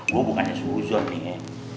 gue bukannya suhu suhuan nih ya